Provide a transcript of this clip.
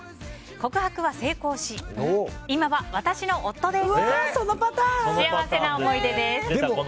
告白は成功し、今は私の夫です。